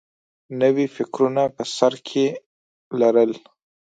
نوي فکرونه په سر کې لرل